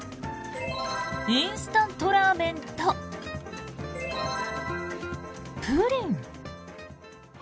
インスタントラーメンとプリン。